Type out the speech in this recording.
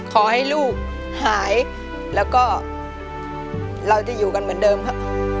ขอให้ลูกหายแล้วก็เราจะอยู่กันเหมือนเดิมค่ะ